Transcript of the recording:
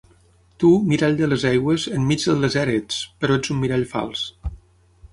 Tu, mirall de les aigües, enmig del desert ets, però ets un mirall fals.